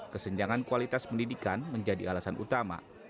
kesenjangan kualitas pendidikan menjadi alasan utama